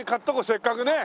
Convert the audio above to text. せっかくね。